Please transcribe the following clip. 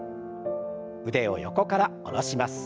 腕を横から下ろします。